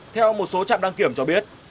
theo một số trạm đăng kiểm cho biết